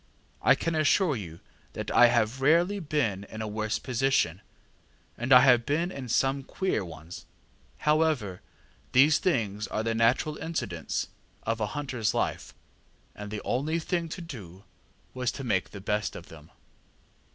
I can assure you that I have rarely been in a worse position, and I have been in some queer ones. However, these things are the natural incidents of a hunterŌĆÖs life, and the only thing to do was to make the best of them.